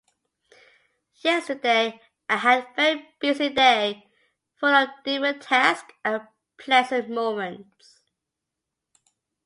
Yesterday I had a very busy day, full of different tasks and pleasant moments.